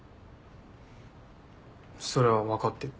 それは分かってる。